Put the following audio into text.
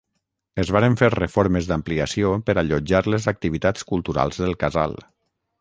Es varen fer reformes d'ampliació per allotjar les activitats culturals del casal.